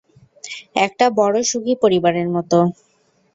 একটা বড়ো সুখী পরিবারের মতো।